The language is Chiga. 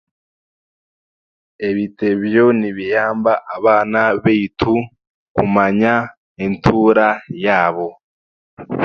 Ebitebyo nibayaamba abaana beitu kumanya entuura yaabo.